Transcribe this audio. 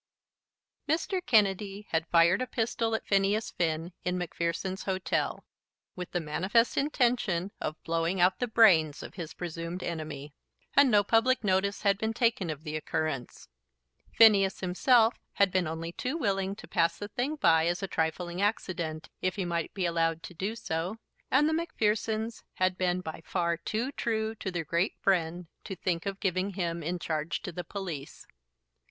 Mr. Kennedy had fired a pistol at Phineas Finn in Macpherson's Hotel with the manifest intention of blowing out the brains of his presumed enemy, and no public notice had been taken of the occurrence. Phineas himself had been only too willing to pass the thing by as a trifling accident, if he might be allowed to do so, and the Macphersons had been by far too true to their great friend to think of giving him in charge to the police.